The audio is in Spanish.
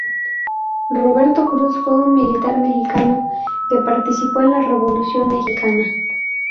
Roberto Cruz fue un militar mexicano que participó en la Revolución mexicana.